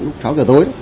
lúc sáu h tối